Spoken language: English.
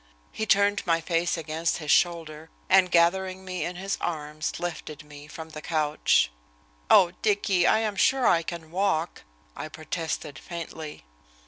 He turned my face against his shoulder, and, gathering me in his arms, lifted me from the couch. "Oh, Dicky, I am sure I can walk," I protested faintly.